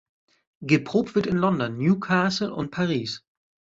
Geprobt wird in London, Newcastle und Paris.